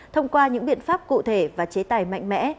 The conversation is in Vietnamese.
thông qua những biện pháp cụ thể và chế tài mạnh mẽ